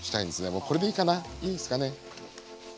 もうこれでいいかないいですかね。